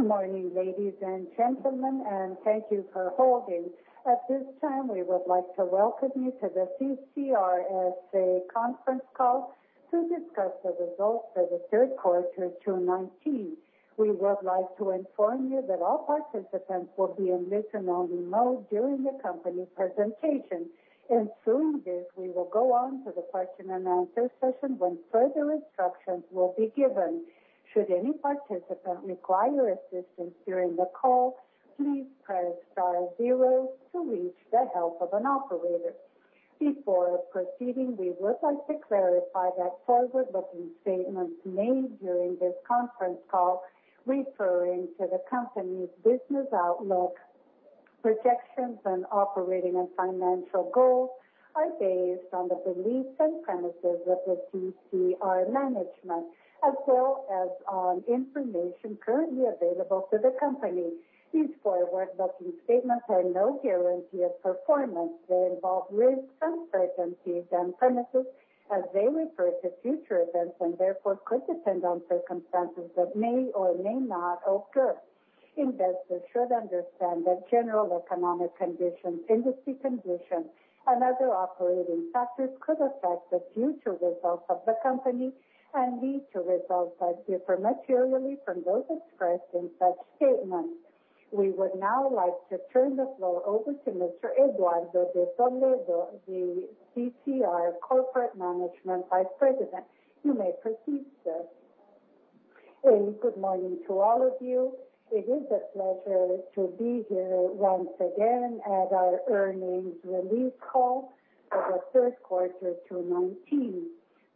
Good morning, ladies and gentlemen. Thank you for holding. At this time, we would like to welcome you to the CCR S.A. conference call to discuss the results for the third quarter 2019. We would like to inform you that all participants will be in listen-only mode during the company presentation. Soon this, we will go on to the question and answer session when further instructions will be given. Should any participant require assistance during the call, please press star zero to reach the help of an operator. Before proceeding, we would like to clarify that forward-looking statements made during this conference call, referring to the company's business outlook, projections, and operating and financial goals are based on the beliefs and premises of the CCR management, as well as on information currently available to the company. These forward-looking statements are no guarantee of performance. They involve risks, uncertainties, and premises as they refer to future events, and therefore could depend on circumstances that may or may not occur. Investors should understand that general economic conditions, industry conditions, and other operating factors could affect the future results of the company and lead to results that differ materially from those expressed in such statements. We would now like to turn the floor over to Mr. Eduardo de Toledo, the CCR Corporate Management Vice President. You may proceed, sir. A good morning to all of you. It is a pleasure to be here once again at our earnings release call for the third quarter 2019.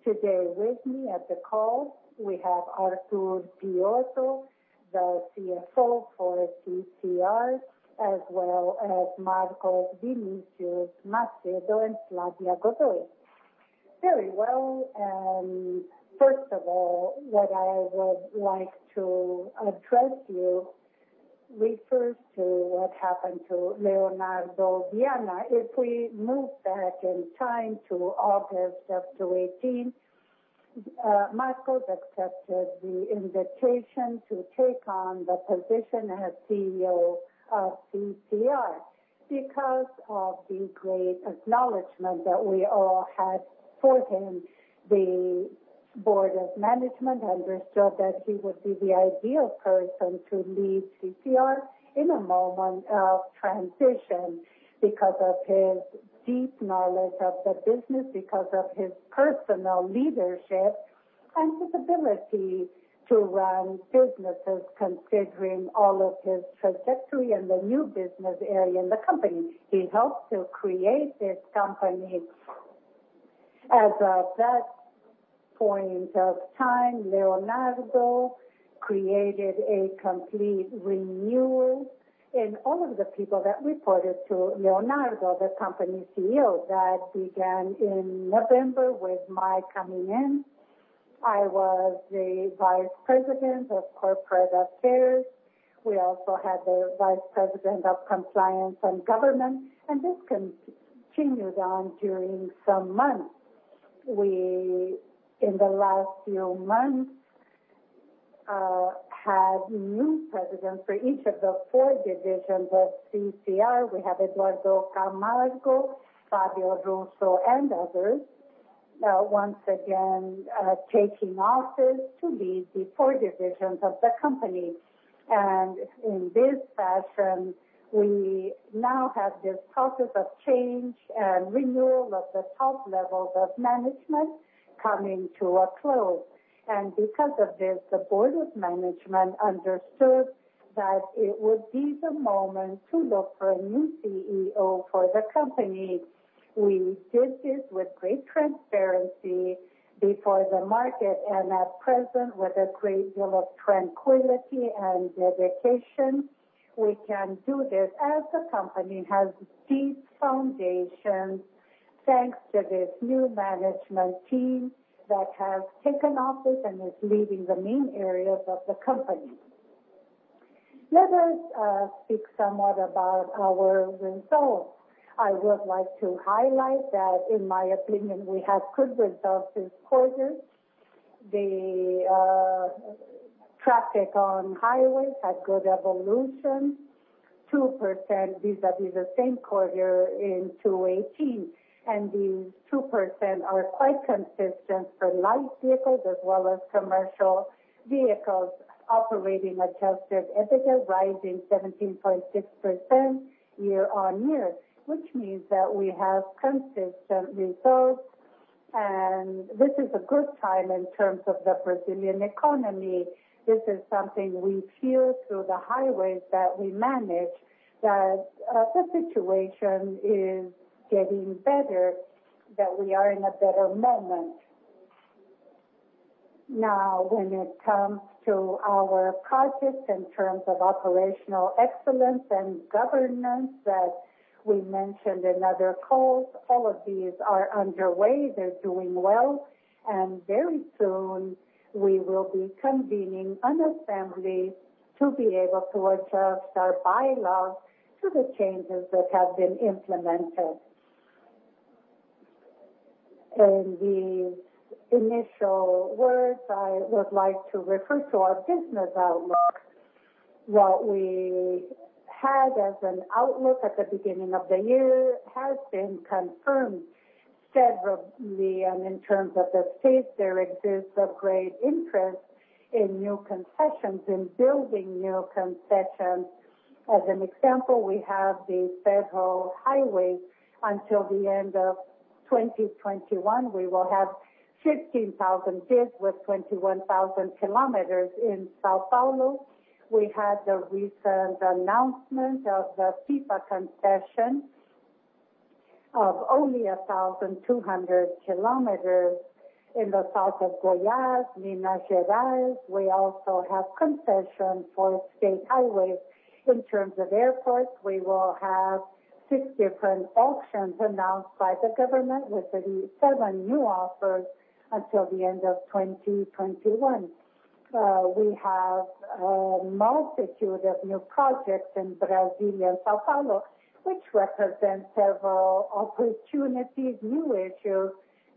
Today with me at the call, we have Arthur Piotto Filho, the CFO for CCR, as well as Marcos Vinicius Macedo and Flávia Godoy. Very well. First of all, what I would like to address you refers to what happened to Leonardo Vianna. We move back in time to August of 2018, Marcos accepted the invitation to take on the position as CEO of CCR. The great acknowledgment that we all had for him, the Board of Management understood that he would be the ideal person to lead CCR in a moment of transition because of his deep knowledge of the business, because of his personal leadership, and his ability to run businesses considering all of his trajectory in the new business area in the company. He helped to create this company. As of that point of time, Leonardo created a complete renewal in all of the people that reported to Leonardo, the company CEO. That began in November with my coming in. I was the Vice President of Corporate Affairs. We also had the Vice President of Compliance and Governance, and this continued on during some months. We, in the last few months, had new presidents for each of the four divisions of CCR. We have Eduardo Camargo, Fábio Russo, and others now once again taking office to lead the four divisions of the company. In this fashion, we now have this process of change and renewal of the top levels of management coming to a close. Because of this, the Board of Management understood that it would be the moment to look for a new CEO for the company. We did this with great transparency before the market, and at present, with a great deal of tranquility and dedication, we can do this as the company has deep foundations thanks to this new management team that has taken office and is leading the main areas of the company. Let us speak somewhat about our results. I would like to highlight that, in my opinion, we had good results this quarter. The traffic on highways had good evolution, 2% vis-à-vis the same quarter in 2018. These 2% are quite consistent for light vehicles as well as commercial vehicles. Operating adjusted EBITDA rising 17.6% year on year, which means that we have consistent results. This is a good time in terms of the Brazilian economy. This is something we feel through the highways that we manage, that the situation is getting better, that we are in a better moment. When it comes to our projects in terms of operational excellence and governance that we mentioned in other calls, all of these are underway. They're doing well. Very soon we will be convening an assembly to be able to adjust our bylaws to the changes that have been implemented. In the initial words, I would like to refer to our business outlook. What we had as an outlook at the beginning of the year has been confirmed, and in terms of the pace, there exists a great interest in new concessions, in building new concessions. As an example, we have the federal highway until the end of 2021. We will have 15,000 bids with 21,000 kilometers in São Paulo. We had the recent announcement of the FICO concession of only 1,200 kilometers in the south of Goiás, Minas Gerais. We also have concession for state highways. In terms of airports, we will have 6 different auctions announced by the government, with 37 new offers until the end of 2021. We have a multitude of new projects in Brasília and São Paulo, which represent several opportunities, new issues,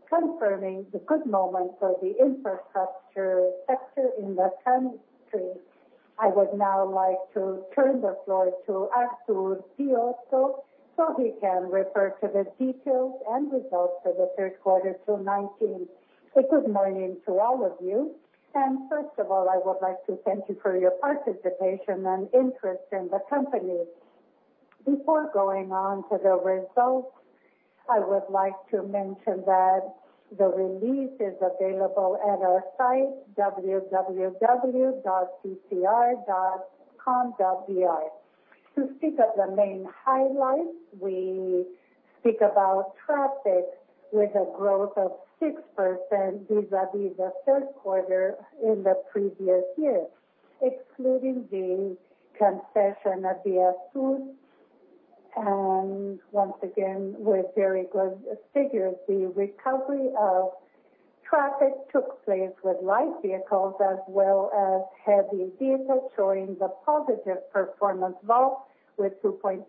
confirming the good moment for the infrastructure sector in the country. I would now like to turn the floor to Arthur Piotto, so he can refer to the details and results for the third quarter 2019. A good morning to all of you. First of all, I would like to thank you for your participation and interest in the company. Before going on to the results, I would like to mention that the release is available at our site, www.ccr.com.br. To speak of the main highlights, we speak about traffic with a growth of 6% vis-à-vis the third quarter in the previous year, excluding the concession of ViaSul and once again, with very good figures. The recovery of traffic took place with light vehicles as well as heavy vehicles, showing the positive performance growth with 2.2%.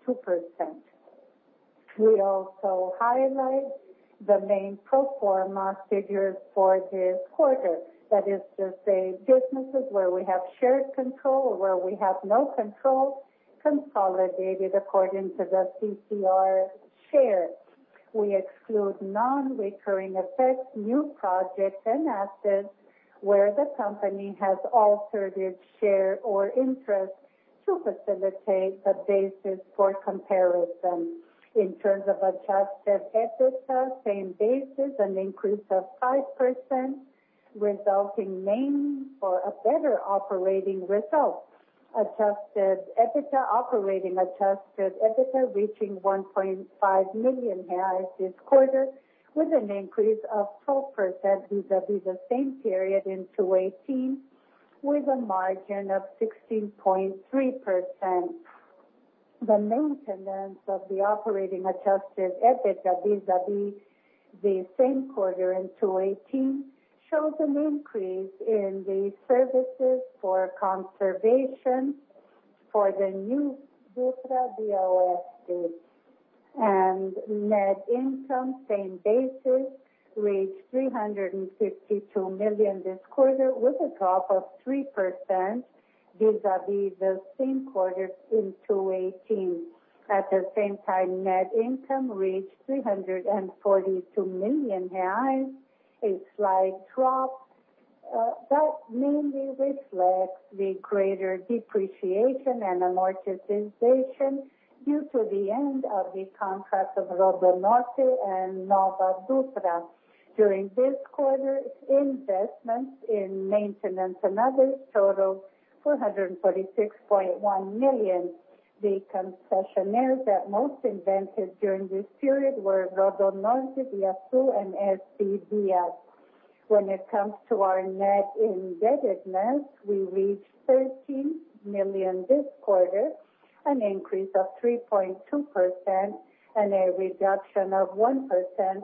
We also highlight the main pro forma figures for this quarter. That is to say, businesses where we have shared control or where we have no control, consolidated according to the CCR share. We exclude non-recurring effects, new projects and assets where the company has altered its share or interest to facilitate the basis for comparison. In terms of adjusted EBITDA, same basis, an increase of 5%, resulting mainly for a better operating result. Adjusted EBITDA, operating adjusted EBITDA reaching 1.5 million reais this quarter, with an increase of 12% vis-à-vis the same period in 2018, with a margin of 16.3%. The maintenance of the operating adjusted EBITDA vis-à-vis the same quarter in 2018 shows an increase in the services for conservation for the NovaDutra DOSC. Net income, same basis, reached 352 million this quarter with a drop of 3% vis-à-vis the same quarter in 2018. At the same time, net income reached 342 million reais, a slight drop that mainly reflects the greater depreciation and amortization due to the end of the contract of RodoNorte and NovaDutra. During this quarter, investments in maintenance and others total 446.1 million. The concessionaires that most invested during this period were RodoNorte, ViaSul, and SPVias. When it comes to our net indebtedness, we reached 13 million this quarter, an increase of 3.2%, and a reduction of 1%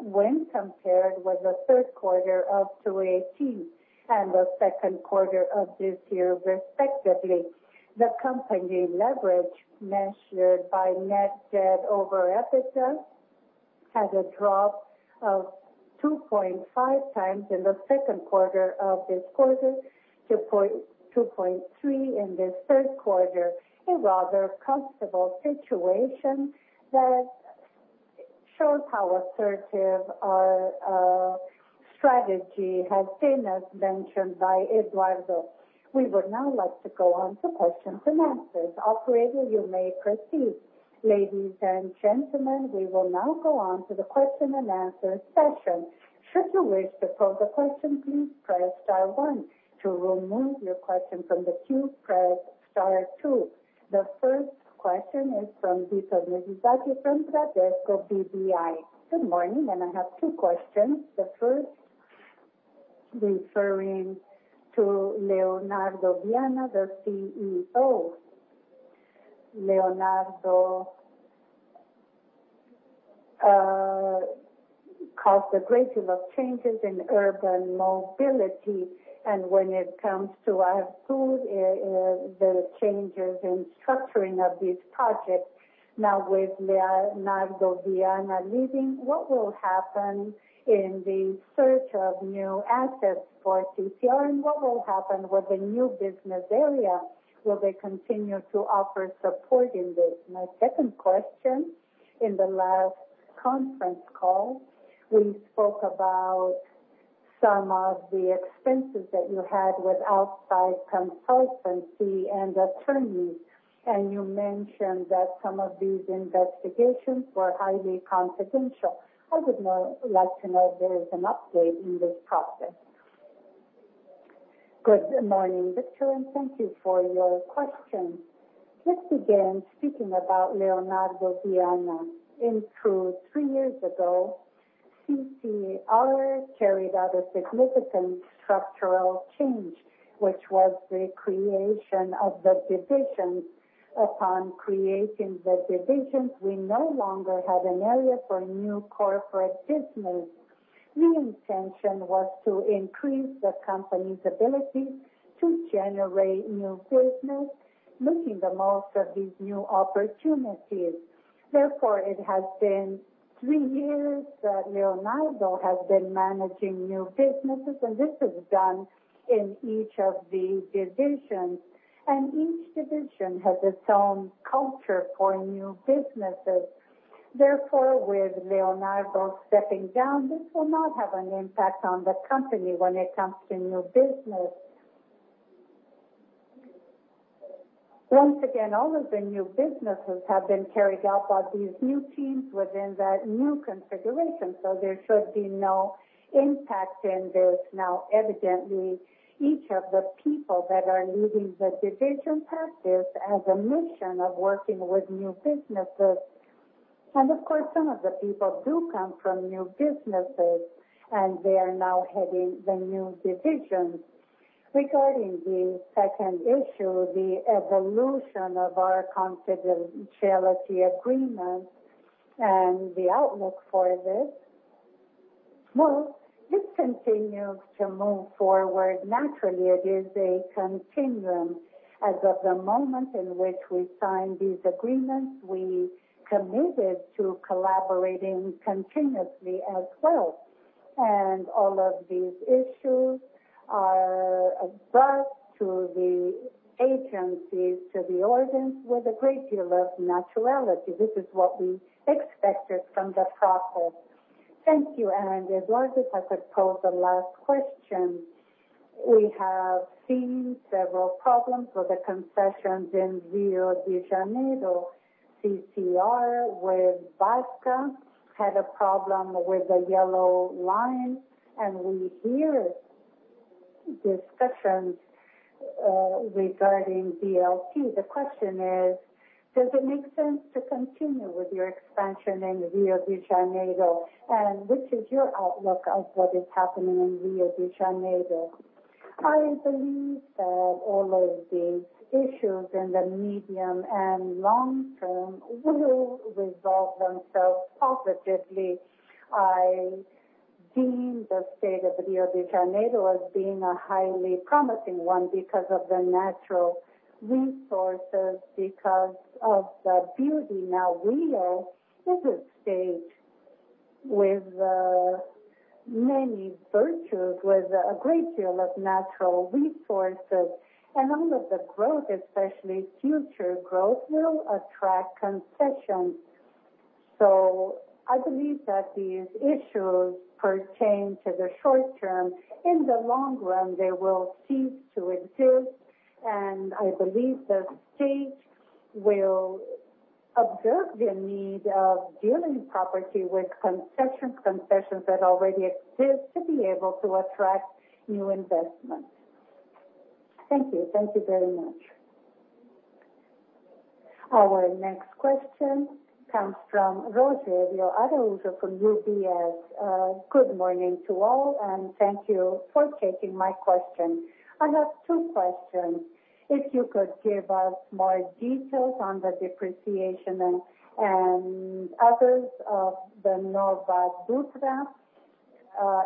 when compared with the third quarter of 2018 and the second quarter of this year respectively. The company leverage measured by net debt over EBITDA had a drop of 2.5 times in the second quarter of this quarter, 2.3 in this third quarter. A rather comfortable situation that shows how assertive our strategy has been, as mentioned by Eduardo. We would now like to go on to questions and answers. Operator, you may proceed. Ladies and gentlemen, we will now go on to the question and answer session. Should you wish to pose a question, please press star one. To remove your question from the queue, press star two. The first question is from Victor Mizusaki from Bradesco BBI. Good morning. I have two questions. The first referring to Leonardo Vianna, the CEO. Leonardo caused a great deal of changes in urban mobility. When it comes to our pool, the changes in structuring of these projects now with Leonardo Vianna leaving, what will happen in the search of new assets for CCR, and what will happen with the new business area? Will they continue to offer support in this? My second question, in the last conference call, we spoke about some of the expenses that you had with outside consultancy and attorneys, and you mentioned that some of these investigations were highly confidential. I would like to know if there is an update in this process. Good morning, Victor, and thank you for your question. Let's begin speaking about Leonardo Vianna. In truth, three years ago, CCR carried out a significant structural change, which was the creation of the divisions. Upon creating the divisions, we no longer had an area for new corporate business. The intention was to increase the company's ability to generate new business, making the most of these new opportunities. Therefore, it has been three years that Leonardo has been managing new businesses, and this is done in each of the divisions. Each division has its own culture for new businesses. Therefore, with Leonardo stepping down, this will not have an impact on the company when it comes to new business. Once again, all of the new businesses have been carried out by these new teams within that new configuration, so there should be no impact in this. Now, evidently, each of the people that are leading the division has this as a mission of working with new businesses. Of course, some of the people do come from new businesses, and they are now heading the new divisions. Regarding the second issue, the evolution of our confidentiality agreement and the outlook for this, well, this continues to move forward. Naturally, it is a continuum. As of the moment in which we signed these agreements, we committed to collaborating continuously as well. All of these issues are brought to the agencies, to the organs, with a great deal of naturality. This is what we expected from the process. Thank you. As well, if I could pose the last question. We have seen several problems with the concessions in Rio de Janeiro. CCR with Barcas had a problem with the yellow line, and we hear discussions regarding VLT. The question is, does it make sense to continue with your expansion in Rio de Janeiro? Which is your outlook of what is happening in Rio de Janeiro? I believe that all of these issues in the medium and long term will resolve themselves positively. I deem the state of Rio de Janeiro as being a highly promising one because of the natural resources, because of the beauty. Now, Rio is a state with many virtues, with a great deal of natural resources, and all of the growth, especially future growth, will attract concessions. I believe that these issues pertain to the short term. In the long run, they will cease to exist, and I believe the state will observe the need of dealing properly with concessions that already exist to be able to attract new investment. Thank you. Thank you very much. Our next question comes from Rogério Araújo from UBS. Good morning to all, and thank you for taking my question. I have two questions. If you could give us more details on the depreciation and others of the NovaDutra,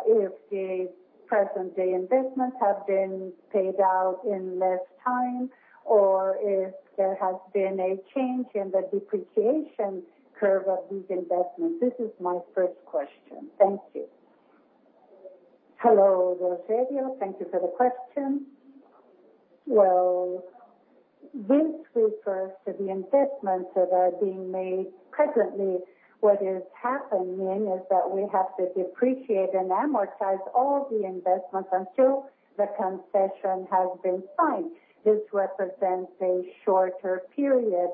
if the present-day investments have been paid out in less time, or if there has been a change in the depreciation curve of these investments. This is my first question. Thank you. Hello, Rogério. Thank you for the question. Well, this refers to the investments that are being made presently. What is happening is that we have to depreciate and amortize all the investments until the concession has been signed. This represents a shorter period.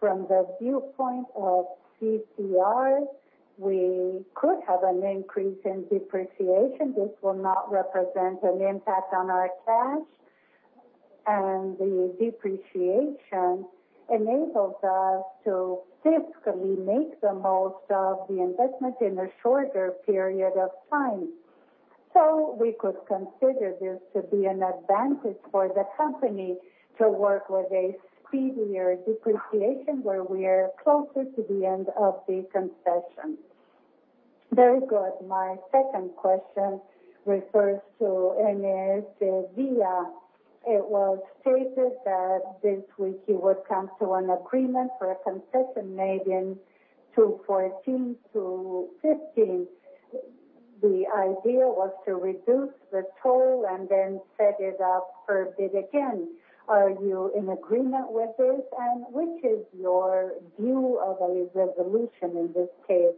From the viewpoint of CCR, we could have an increase in depreciation. This will not represent an impact on our cash, and the depreciation enables us to fiscally make the most of the investment in a shorter period of time. We could consider this to be an advantage for the company to work with a speedier depreciation where we're closer to the end of the concession. Very good. My second question refers to MSVia. It was stated that this week you would come to an agreement for a concession, maybe in 2014 to 2015. The idea was to reduce the toll and then set it up for bid again. Are you in agreement with this, and which is your view of a resolution in this case?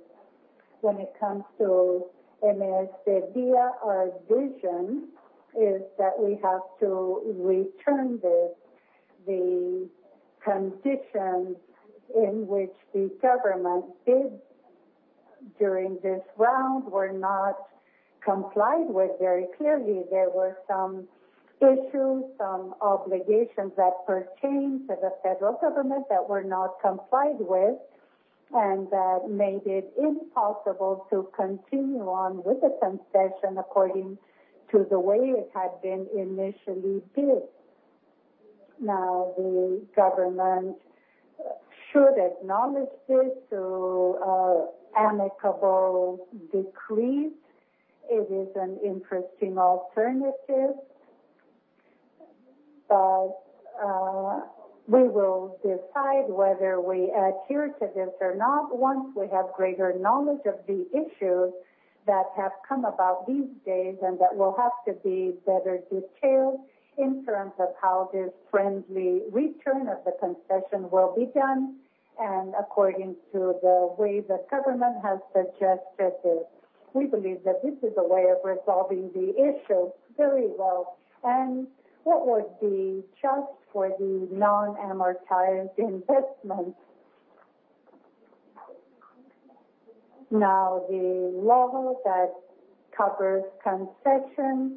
When it comes to MSVia, our vision is that we have to return this. The conditions in which the government bid during this round were not complied with very clearly. There were some issues, some obligations that pertained to the federal government that were not complied with, that made it impossible to continue on with the concession according to the way it had been initially bid. The government should acknowledge this through an amicable decree. It is an interesting alternative, we will decide whether we adhere to this or not once we have greater knowledge of the issues that have come about these days and that will have to be better detailed in terms of how this friendly return of the concession will be done and according to the way the government has suggested it. We believe that this is a way of resolving the issue very well. What would be just for the non-amortized investment? Now, the law that covers concessions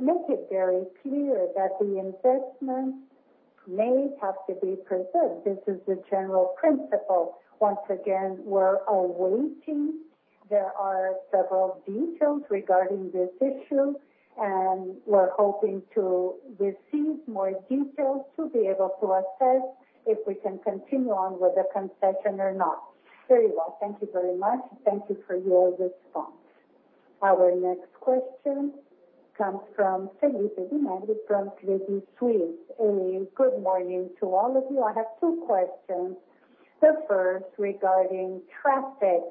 makes it very clear that the investment may have to be preserved. This is the general principle. Once again, we are awaiting. There are several details regarding this issue, and we are hoping to receive more details to be able to assess if we can continue on with the concession or not. Very well. Thank you very much. Thank you for your response. Our next question comes from Felipe Zanoglia from Credit Suisse. Good morning to all of you. I have two questions. The first regarding traffic.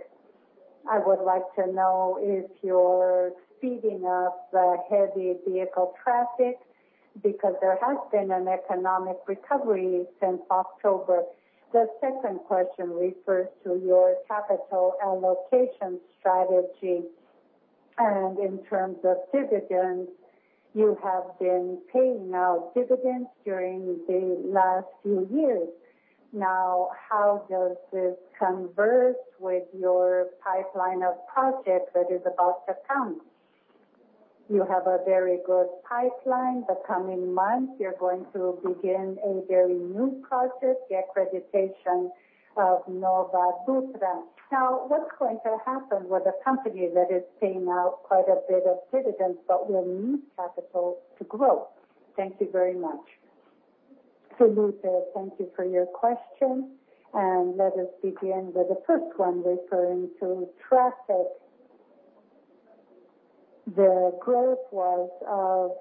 I would like to know if you're speeding up the heavy vehicle traffic because there has been an economic recovery since October. The second question refers to your capital allocation strategy, and in terms of dividends, you have been paying out dividends during the last few years. How does this converge with your pipeline of projects that is about to come? You have a very good pipeline. The coming months, you're going to begin a very new project, the accreditation of NovaDutra. What's going to happen with a company that is paying out quite a bit of dividends but will need capital to grow? Thank you very much. Felipe, thank you for your question. Let us begin with the first one referring to traffic. The growth was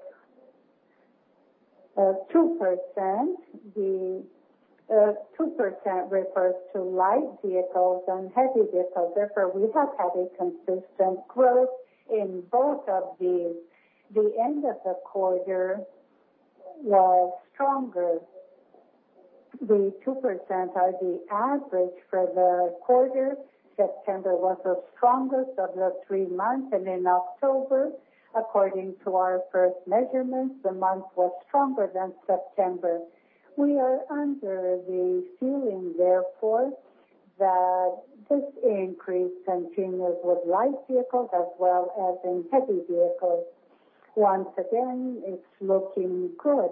of 2%. The 2% refers to light vehicles and heavy vehicles. Therefore, we have had a consistent growth in both of these. The end of the quarter was stronger. The 2% are the average for the quarter. September was the strongest of the three months. In October, according to our first measurements, the month was stronger than September. We are under the feeling, therefore, that this increase continues with light vehicles as well as in heavy vehicles. Once again, it's looking good.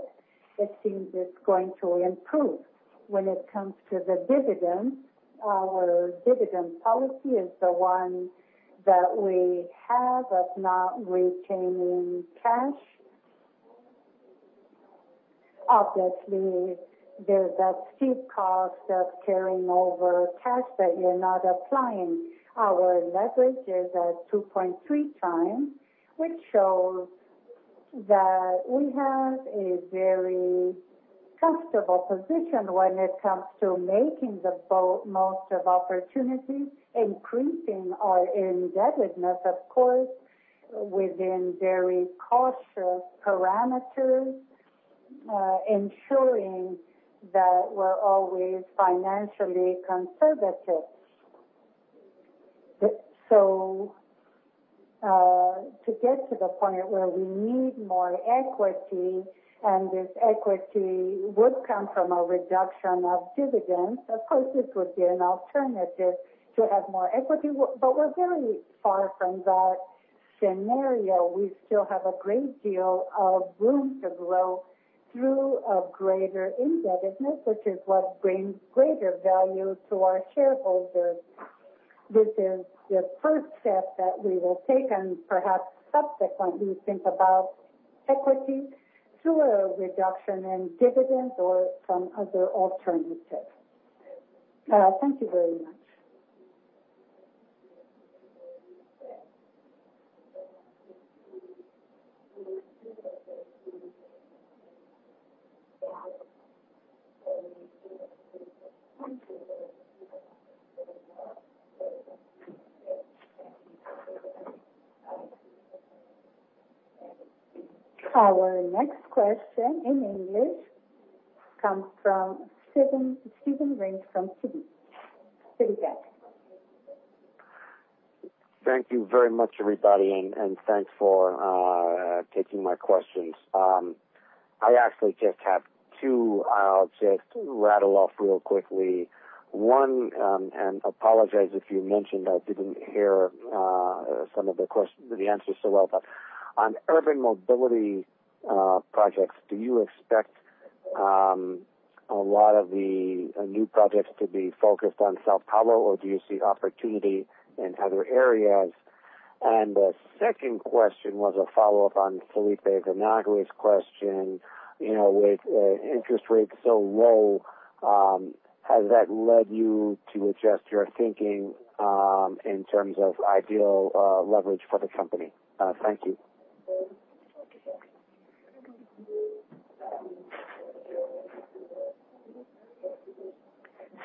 It seems it's going to improve. When it comes to the dividend, our dividend policy is the one that we have of not retaining cash. Obviously, there's that steep cost of carrying over cash that you're not applying. Our leverage is at 2.3 times, which shows that we have a very comfortable position when it comes to making the most of opportunities, increasing our indebtedness, of course, within very cautious parameters, ensuring that we're always financially conservative. To get to the point where we need more equity and this equity would come from a reduction of dividends, of course, this would be an alternative to have more equity. We're very far from that scenario. We still have a great deal of room to grow through a greater indebtedness, which is what brings greater value to our shareholders. This is the first step that we will take and perhaps subsequently think about equity through a reduction in dividends or some other alternative. Thank you very much. Our next question in English comes from Stephen Trent from Citi. Stephen. Thank you very much, everybody, and thanks for taking my questions. I actually just have two I'll just rattle off real quickly. One, apologize if you mentioned, I didn't hear some of the answers so well, but on urban mobility projects, do you expect a lot of the new projects to be focused on São Paulo, or do you see opportunity in other areas? The second question was a follow-up on Felipe Zanoglia's question. With interest rates so low, has that led you to adjust your thinking, in terms of ideal leverage for the company? Thank you.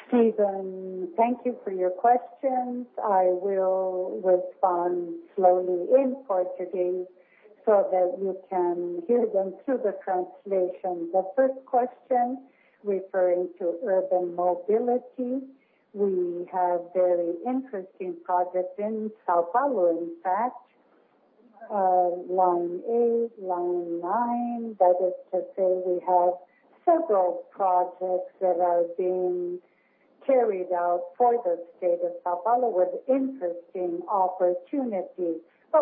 Stephen, thank you for your questions. I will respond slowly in Portuguese so that you can hear them through the translation. The first question referring to urban mobility, we have very interesting projects in São Paulo, in fact, Line 8-Diamond, Line 9-Esmeralda. That is to say, we have several projects that are being carried out for the state of São Paulo with interesting opportunities.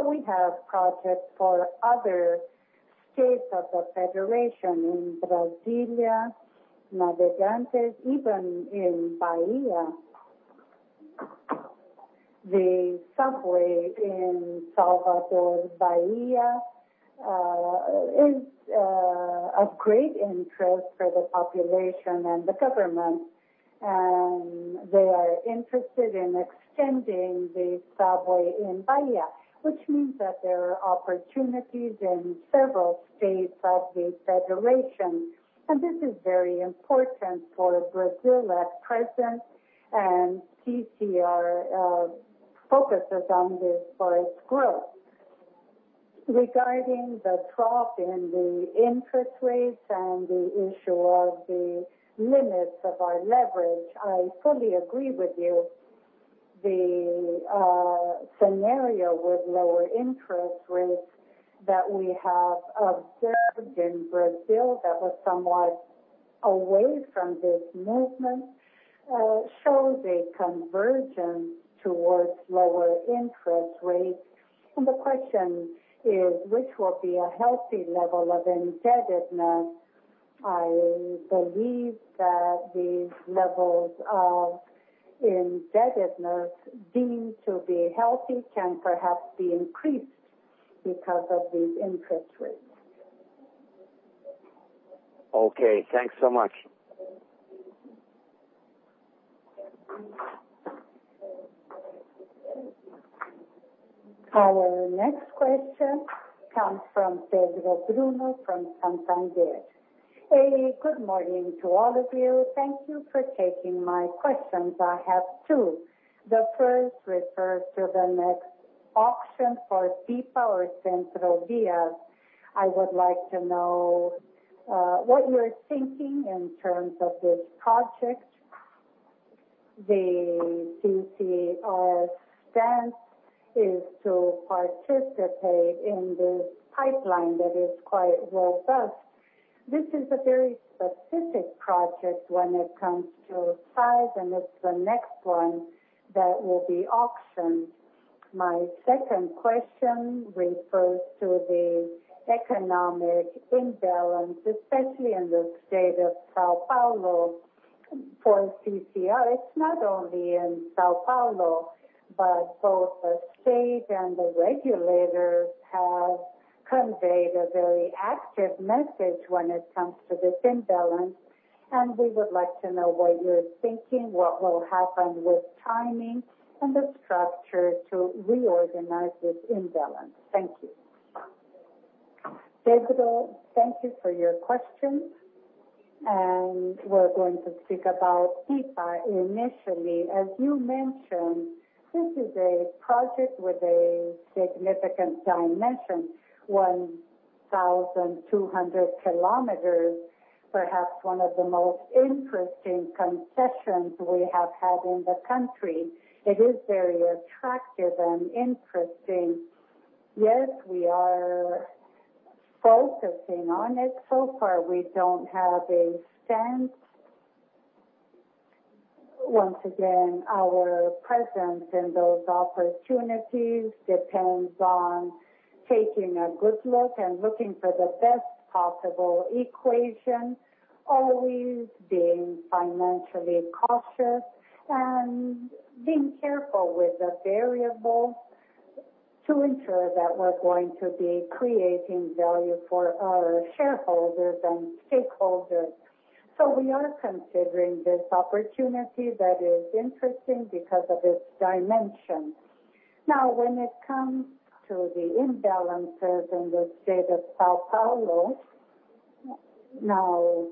We have projects for other states of the federation, in Brasília, Navegantes, even in Bahia. The subway in Salvador, Bahia, is of great interest for the population and the government. They are interested in extending the subway in Bahia, which means that there are opportunities in several states of the federation. This is very important for Brazil at present, and CCR focuses on this for its growth. Regarding the drop in the interest rates and the issue of the limits of our leverage, I fully agree with you. The scenario with lower interest rates that we have observed in Brazil that was somewhat away from this movement, shows a convergence towards lower interest rates. The question is, which will be a healthy level of indebtedness? I believe that these levels of indebtedness deemed to be healthy can perhaps be increased because of these interest rates. Okay. Thanks so much. Our next question comes from Pedro Bruno from Santander. Hey, good morning to all of you. Thank you for taking my questions. I have two. The first refers to the next auction for PIPA or Centro-Oeste de Viação. I would like to know what you're thinking in terms of this project. The CCR stance is to participate in this pipeline that is quite robust. This is a very specific project when it comes to size, and it's the next one that will be auctioned. My second question refers to the economic imbalance, especially in the state of São Paulo. For CCR, it's not only in São Paulo, but both the state and the regulators have conveyed a very active message when it comes to this imbalance, and we would like to know what you're thinking, what will happen with timing and the structure to reorganize this imbalance. Thank you. Pedro, thank you for your questions. We're going to speak about PIPA initially. As you mentioned, this is a project with a significant dimension, 1,200 kilometers, perhaps one of the most interesting concessions we have had in the country. It is very attractive and interesting. Yes, we are focusing on it. So far, we don't have a stance. Once again, our presence in those opportunities depends on taking a good look and looking for the best possible equation, always being financially cautious and being careful with the variables to ensure that we're going to be creating value for our shareholders and stakeholders. We are considering this opportunity that is interesting because of its dimension. When it comes to the imbalances in the state of São Paulo, now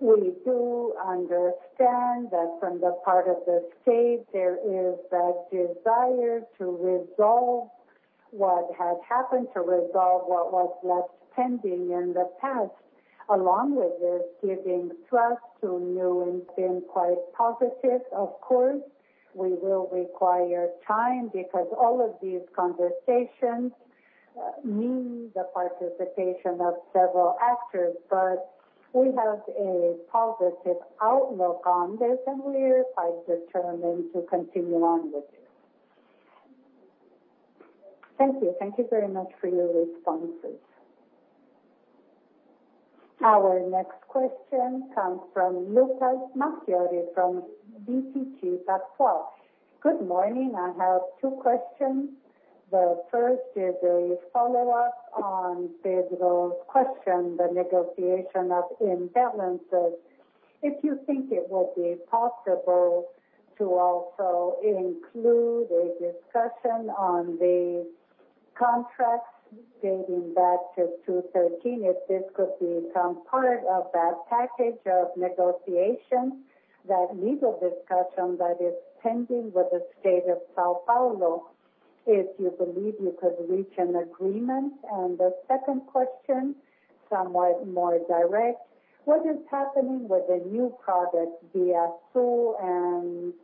we do understand that from the part of the state, there is a desire to resolve what had happened, to resolve what was left pending in the past. Along with this, giving trust to new investment, quite positive, of course. We will require time because all of these conversations mean the participation of several actors. We have a positive outlook on this, and we're quite determined to continue on with this. Thank you. Thank you very much for your responses. Our next question comes from Lucas Marquiori from BTG Pactual. Good morning. I have two questions. The first is a follow-up on Pedro's question, the negotiation of imbalances. If you think it will be possible to also include a discussion on the contracts dating back to 2013, if this could become part of that package of negotiations, that legal discussion that is pending with the state of São Paulo, if you believe you could reach an agreement. The second question, somewhat more direct, what is happening with the new project, ViaSul and ViaMobilidade,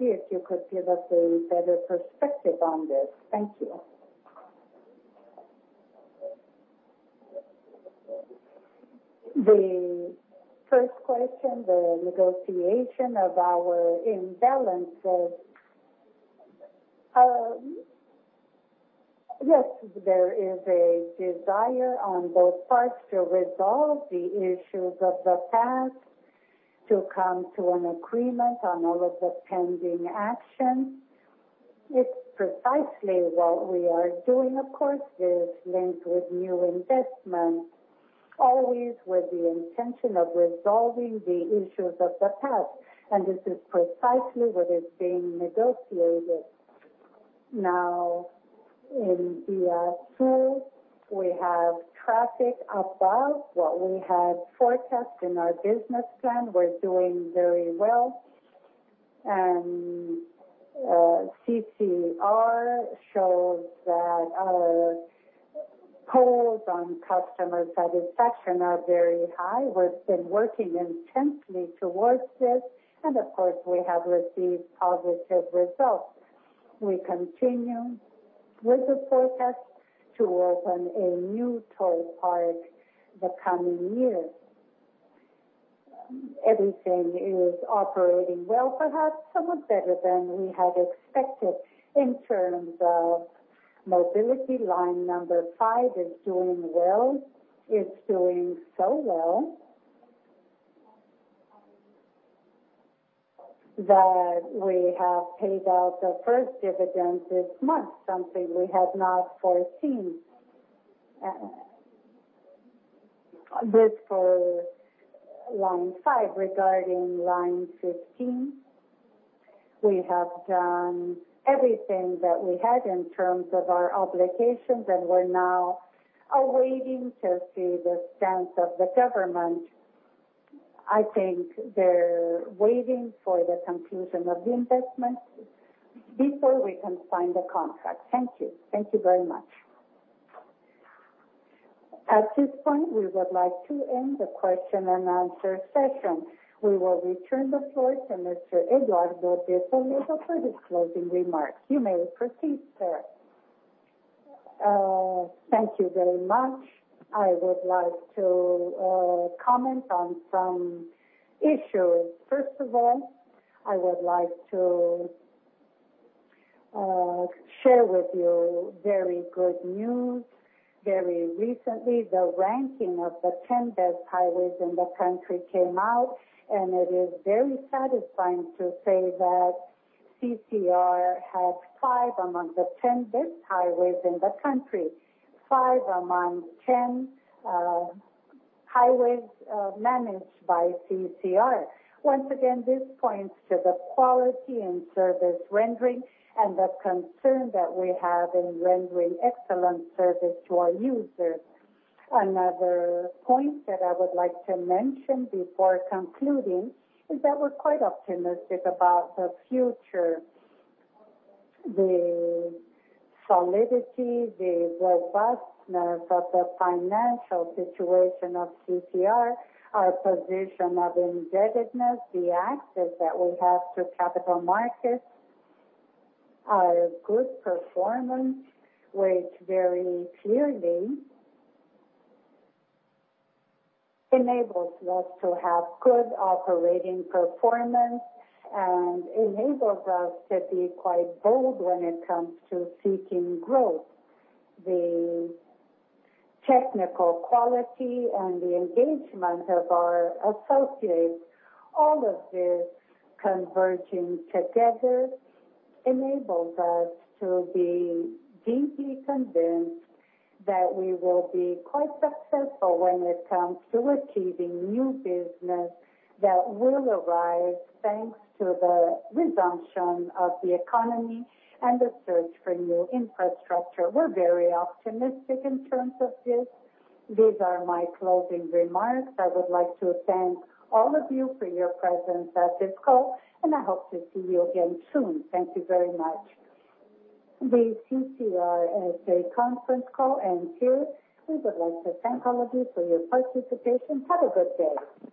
if you could give us a better perspective on this. Thank you. The first question, the negotiation of our imbalances. Yes, there is a desire on both parts to resolve the issues of the past, to come to an agreement on all of the pending action. It's precisely what we are doing, of course, is linked with new investment, always with the intention of resolving the issues of the past. This is precisely what is being negotiated. Now in ViaSul, we have traffic above what we had forecast in our business plan. We're doing very well. CCR shows that our polls on customer satisfaction are very high. We've been working intensely towards this, and of course, we have received positive results. We continue with the process to open a new toll park the coming year. Everything is operating well, perhaps somewhat better than we had expected in terms of mobility. Line number 5 is doing well. It's doing so well that we have paid out the first dividend this month, something we had not foreseen. This for Line 5. Regarding Line 15, we have done everything that we had in terms of our obligations, and we're now awaiting to see the stance of the government. I think they're waiting for the conclusion of the investment before we can sign the contract. Thank you. Thank you very much. At this point, we would like to end the question and answer session. We will return the floor to Mr. Eduardo de Toledo for his closing remarks. You may proceed, sir. Thank you very much. I would like to comment on some issues. First of all, I would like to share with you very good news. Very recently, the ranking of the 10 best highways in the country came out, and it is very satisfying to say that CCR had five amongst the 10 best highways in the country. Five among 10 highways are managed by CCR. Once again, this points to the quality and service rendering and the concern that we have in rendering excellent service to our users. Another point that I would like to mention before concluding is that we're quite optimistic about the future. The solidity, the robustness of the financial situation of CCR, our position of indebtedness, the access that we have to capital markets, our good performance, which very clearly enables us to have good operating performance and enables us to be quite bold when it comes to seeking growth. The technical quality and the engagement of our associates, all of this converging together enables us to be deeply convinced that we will be quite successful when it comes to achieving new business that will arise thanks to the resumption of the economy and the search for new infrastructure. We're very optimistic in terms of this. These are my closing remarks. I would like to thank all of you for your presence at this call, and I hope to see you again soon. Thank you very much. The CCR S.A. conference call ends here. We would like to thank all of you for your participation. Have a good day.